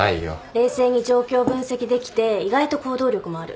冷静に状況を分析できて意外と行動力もある。